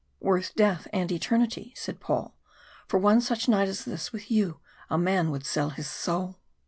"Worth death and eternity," said Paul. "For one such night as this with you a man would sell his soul."